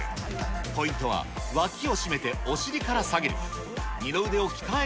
ポイントはわきを締めてお尻から下げる。